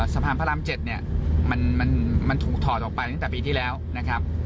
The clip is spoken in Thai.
สะพานพระราม๗เนี่ยมันถูกถอดออกไปตั้งแต่ปีที่แล้วนะครับ